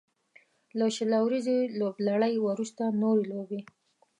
له شل اوريزې لوبلړۍ وروسته نورې لوبې